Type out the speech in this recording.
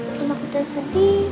kalau kita sedih